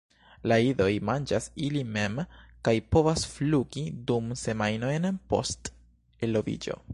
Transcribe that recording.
La idoj manĝas ili mem kaj povas flugi du semajnojn post eloviĝo.